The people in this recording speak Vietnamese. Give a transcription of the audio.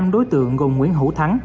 năm đối tượng gồm nguyễn hữu thắng